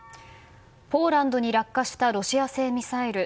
ポーランドに落下したロシア製ミサイル。